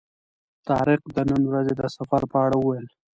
طارق د نن ورځې د سفر په اړه وویل.